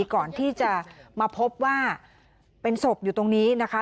ก่อนที่จะมาพบว่าเป็นศพอยู่ตรงนี้นะคะ